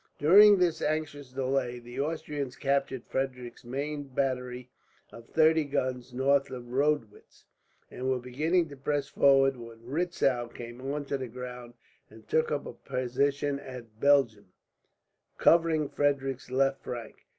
During this anxious delay the Austrians captured Frederick's main battery of thirty guns, north of Rodewitz; and were beginning to press forward, when Retzow came onto the ground and took up a position at Belgern, covering Frederick's left flank.